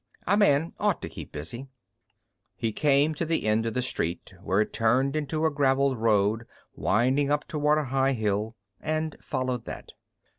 A man ought to keep busy. He came to the end of the street, where it turned into a graveled road winding up toward a high hill, and followed that.